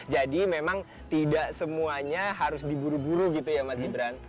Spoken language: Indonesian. memang tidak semuanya harus diburu buru gitu ya mas gibran